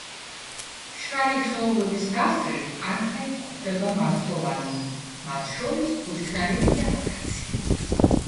მშრალი ხეობების გასწვრივ აქა-იქ გვხვდება მარცვლოვანნი, მათ შორის ბუჩქნარები და აკაცია.